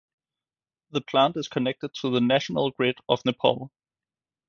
The plant is connected to the national grid of Nepal.